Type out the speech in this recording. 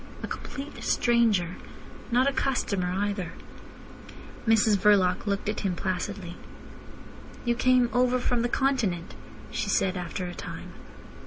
A complete stranger. Not a customer either. Mrs Verloc looked at him placidly. "You came over from the Continent?" she said after a time.